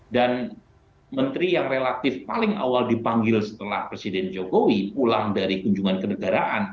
dan menteri yang relatif paling awal dipanggil setelah presiden jokowi pulang dari kunjungan ke negaraan